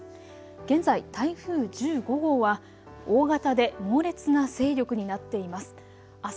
現在、台風１５号は大型で猛烈な勢力になっています。